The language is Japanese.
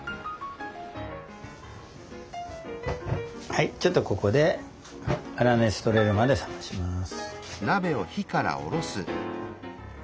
はいちょっとここで粗熱とれるまで冷まします。